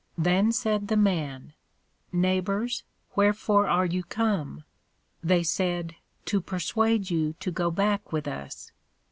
Then said the Man, Neighbors, wherefore are you come? They said, To persuade you to go back with us.